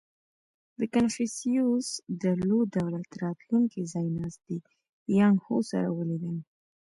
• کنفوسیوس د لو دولت راتلونکی ځایناستی یانګ هو سره ولیدل.